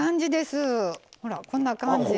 ほらこんな感じ。